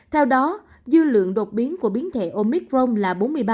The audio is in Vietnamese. theo đó dư lượng đột biến của biến thể omicron là bốn mươi ba